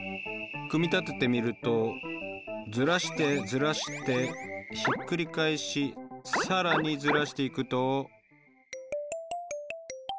組み立ててみるとずらしてずらしてひっくり返し更にずらしていくと。